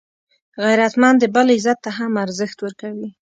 غیرتمند د بل عزت ته هم ارزښت ورکوي